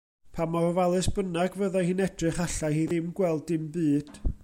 Pa mor ofalus bynnag fyddai hi'n edrych allai hi ddim gweld dim byd.